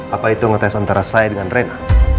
apa itu ngetes antara saya dengan rena